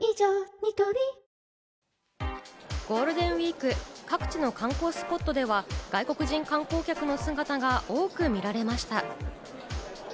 ニトリゴールデンウイーク、各地の観光スポットでは、外国人観光客の姿が多く見られました。